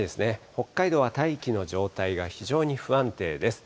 北海道は大気の状態が非常に不安定です。